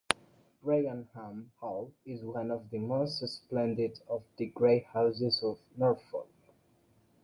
Raynham Hall is one of the most splendid of the great houses of Norfolk.